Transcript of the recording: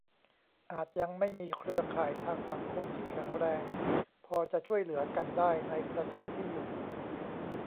อาจยังไม่มีเครือข่ายทางสังคม ที่แข็งแรงพอจะช่วยเหลือกันได้ ในประเทศที่อยู่